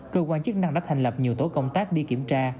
cơ quan chức năng đã thành lập nhiều tổ công tác đi kiểm tra